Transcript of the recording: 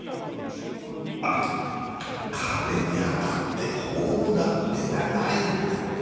あっ、壁に当たってホームランではないんだ。